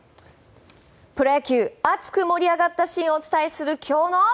プロ野球熱く盛り上がったシーンをお伝えする今日の。